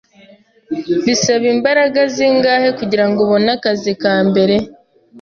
Bisaba imbaraga zingahe kugirango ubone akazi ka mbere?